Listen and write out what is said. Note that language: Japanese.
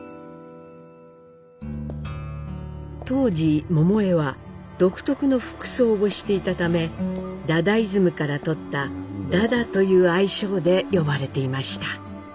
当時桃枝は独特の服装をしていたためダダイズムからとった「ダダ」という愛称で呼ばれていました。